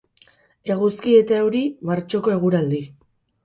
Eguzki eta euri, martxoko eguraldi.